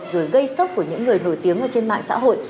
rồi gây sốc của những người nổi tiếng ở trên mạng xã hội